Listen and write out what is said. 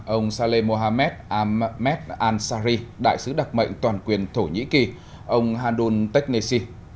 ông saleh mohamed ahmed ansari đại sứ đặc mệnh toàn quyền thổ nhĩ kỳ ông handun teknesi